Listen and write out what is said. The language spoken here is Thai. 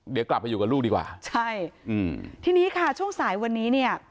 เดี๋ยวกลับไปอยู่กับลูกดีกว่าใช่อืมทีนี้ค่ะช่วงสายวันนี้เนี่ย